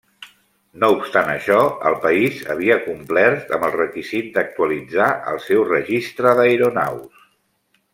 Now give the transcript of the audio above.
No obstant això, el país havia complert amb el requisit d'actualitzar el seu registre d'aeronaus.